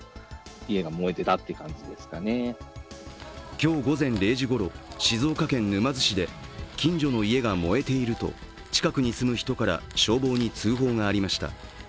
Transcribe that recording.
今日午前０時ごろ、静岡県沼津市で近所の家が燃えていると近くに住む人から消防に通報がありました。